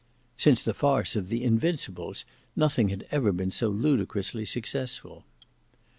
Since the farce of the "Invincibles" nothing had ever been so ludicrously successful.